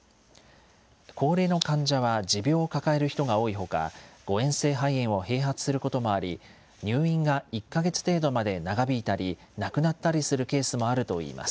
高齢の患者は持病を抱える人が多いほか、誤えん性肺炎を併発することもあり、入院が１か月程度まで長引いたり、亡くなったりするケースもあるといいます。